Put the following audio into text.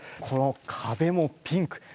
このかべもピンク。